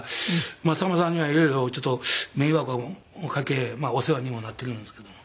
まあさんまさんには色々ちょっと迷惑をかけお世話にもなってるんですけども。